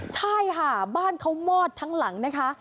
ใช่ค่ะบ้านเขามอดทั้งหลังนะคะ